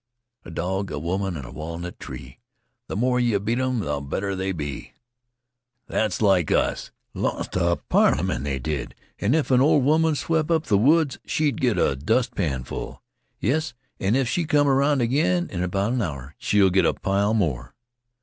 "A dog, a woman, an' a walnut tree, Th' more yeh beat 'em, th' better they be! That's like us." "Lost a piler men, they did. If an' ol' woman swep' up th' woods she'd git a dustpanful." "Yes, an' if she'll come around ag'in in 'bout an' hour she'll git a pile more."